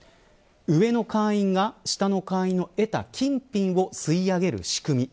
上の会員が下の会員の得た金品を吸い上げる仕組み。